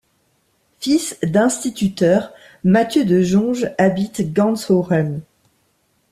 Fils d’instituteur, Mathieu de Jonge habite Ganshoren.